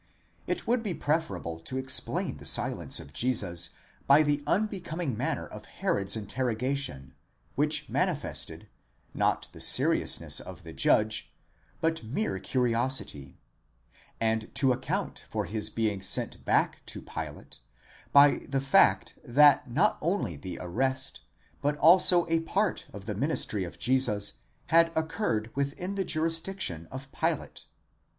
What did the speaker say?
It would be preferable to explain the silence of Jesus by the unbecoming manner of Herod's interrogation, which manifested, not the seriousness of the judge, but mere curiosity; and to account for his being sent back to Pilate by the fact, that not only the arrest, but also a part of the ministry of Jesus had occurred within the jurisdiction of Pilate.